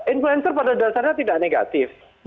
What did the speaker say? influencer pada dasarnya tidak negatif